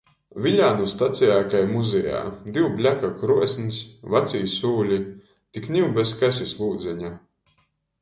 Viļānu stacejā kai muzejā. Div bļaka kruosns, vacī sūli. Tik niu bez kasis lūdzeņa.